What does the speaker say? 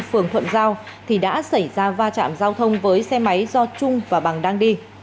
phường thuận giao thì đã xảy ra va chạm giao thông với xe máy do trung và bằng đang đi